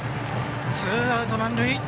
ツーアウト満塁。